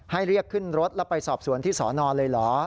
เรียกขึ้นรถแล้วไปสอบสวนที่สอนอนเลยเหรอ